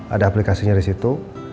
ada aplikasinya disitu